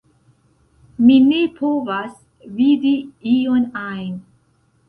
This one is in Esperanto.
Mi ne povas vidi ion ajn